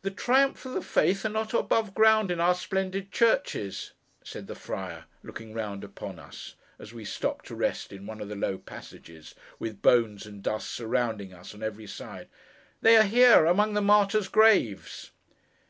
'The Triumphs of the Faith are not above ground in our splendid churches,' said the friar, looking round upon us, as we stopped to rest in one of the low passages, with bones and dust surrounding us on every side. 'They are here! Among the Martyrs' Graves!